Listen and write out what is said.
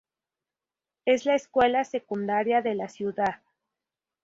Es la Escuela Secundaria de la ciudad.